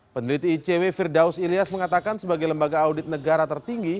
peneliti icw firdaus ilyas mengatakan sebagai lembaga audit negara tertinggi